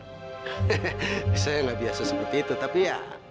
hehehe saya nggak biasa seperti itu tapi ya